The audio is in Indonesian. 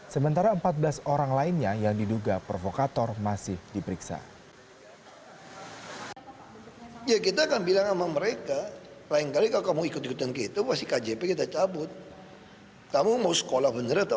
sementara empat belas orang lainnya yang diduga provokator masih diperiksa